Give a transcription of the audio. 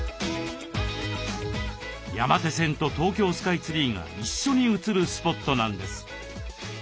山手線と東京スカイツリーが一緒に写るスポットなんです。